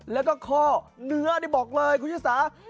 แล้วก็ข้อเนื้อได้บอกเลยคุณศีรษะ